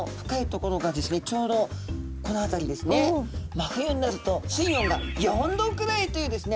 真冬になると水温が４℃くらいというですね